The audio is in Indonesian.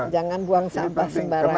jangan buang sampah sembarangan